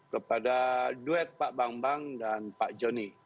kepada duet pak bambang dan pak joni